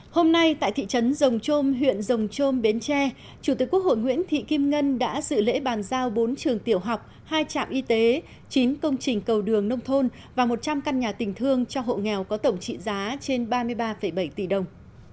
hôm nay tại thị trấn rồng trôm huyện rồng trôm bến tre chủ tịch quốc hội nguyễn thị kim ngân đã sự lễ bàn giao bốn trường tiểu học hai trạm y tế chín công trình cầu đường nông thôn và một trăm linh căn nhà tình thương cho hộ nghèo có tổng trị giá trên ba mươi ba bảy tỷ đồng